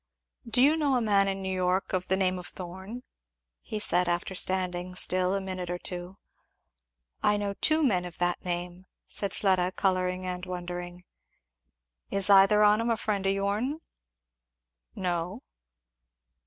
"Do you know a man in New York of the name of Thorn?" he said after standing still a minute or two. "I know two men of that name," said Fleda, colouring and wondering. "Is either on 'em a friend of your'n?" "No."